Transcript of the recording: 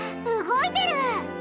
動いてる！